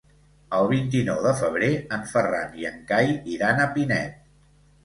El vint-i-nou de febrer en Ferran i en Cai iran a Pinet.